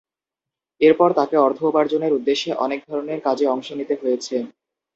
এরপর তাকে অর্থ উপার্জনের উদ্দেশ্যে অনেক ধরনের কাজে অংশ নিতে হয়েছে।